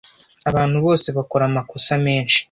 Abantu bose bakora amakosa menshi